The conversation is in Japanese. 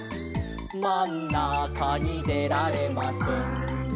「まんなかにでられません」